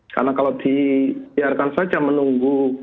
karena kalau dibiarkan saja menunggu